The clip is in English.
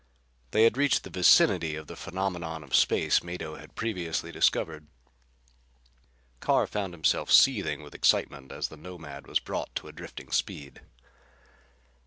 They had reached the vicinity of the phenomenon of space Mado had previously discovered. Carr found himself seething with excitement as the Nomad was brought to a drifting speed.